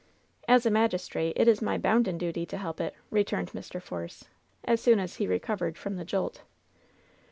"As a magistrate, it is my bounden duty to help it," returned Mr. Force, as soon as he recovered from the jolt.